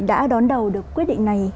đã đón đầu được quyết định này